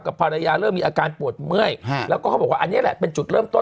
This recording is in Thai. ภรรยาเริ่มมีอาการปวดเมื่อยแล้วก็เขาบอกว่าอันนี้แหละเป็นจุดเริ่มต้น